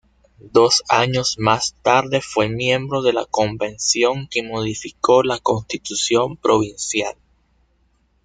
Dos años más tarde fue miembro de la Convención que modificó la Constitución provincial.